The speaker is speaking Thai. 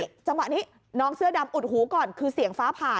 นี่จังหวะนี้น้องเสื้อดำอุดหูก่อนคือเสียงฟ้าผ่า